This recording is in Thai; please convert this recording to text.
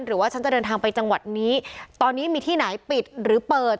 หรือว่าฉันจะเดินทางไปจังหวัดนี้ตอนนี้มีที่ไหนปิดหรือเปิด